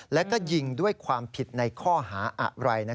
และก็ยิงด้วยความผิดในข้อหาอะไร